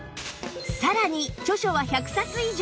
さらに著書は１００冊以上